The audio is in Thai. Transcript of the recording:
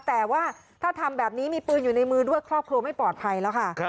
แต่ว่าถ้าทำแบบนี้มีปืนอยู่ในมือด้วยครอบครัวไม่ปลอดภัยแล้วค่ะ